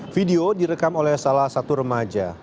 video direkam oleh salah satu remaja